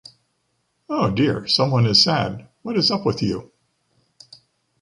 Oh dear, someone is sad. What is up with you?